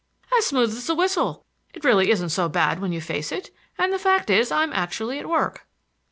"As smooth as a whistle! It really isn't so bad when you face it. And the fact is I'm actually at work."